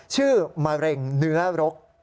ชื่อมะเร็งเนื้อรก